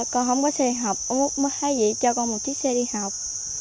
con không có xe học ông út mới thay dị cho con một chiếc xe đi học